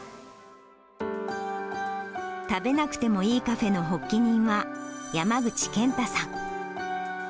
食べなくてもいいカフェの発起人は、山口健太さん。